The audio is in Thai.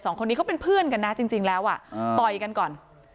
สองคนนี้เขาเป็นเพื่อนกันนะจริงแล้วอ่ะต่อยกันก่อน